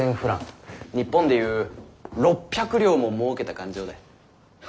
日本でいう６００両ももうけた勘定だ。